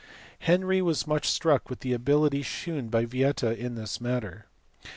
Henry was much struck with the ability shewn by Yieta in this matter.